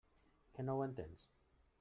Que no ho entens?